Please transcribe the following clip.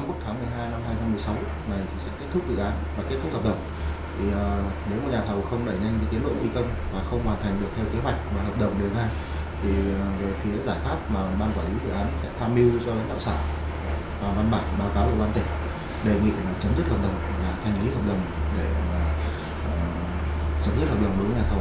sở giao thông vận tải bắc cạn sẽ kết thúc dự án và kết thúc hợp đồng nếu nhà thầu không đẩy nhanh tiến lộ thi công và không hoàn thành được theo kế hoạch và hợp đồng đề ra thì giải pháp mà ban quản lý dự án sẽ tham mưu cho lãnh đạo sản và văn bản báo cáo của quan tỉnh đề nghị chấm dứt hợp đồng và thành lý hợp đồng để chấm dứt hợp đồng đối với nhà thầu